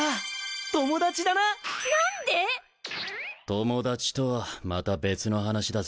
友達とはまた別の話だぜ。